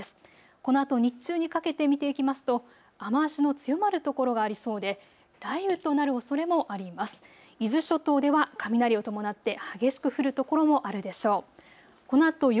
このあと日中にかけて見ていきますと雨足の強まる所がありそうで雷雨となるおそれもあります。